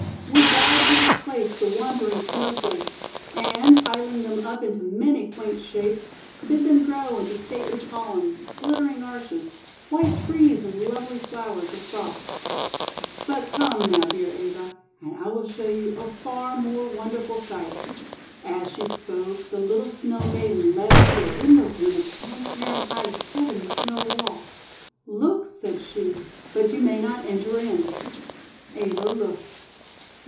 We guide to this place the wandering Snowflakes, and, piling them up into many quaint shapes, bid them grow into stately columns, glittering arches, white trees, and lovely flowers of Frost. "But come, now, dear Eva, and I will show you a far more wonderful sight." THE DANCE OF THE LITTLE PEOPLE OF THE SNOW As she spoke, the little Snow Maiden led her to a window pane of transparent ice set in the Snow wall. "Look," said she, "but you may not enter in." Eva looked.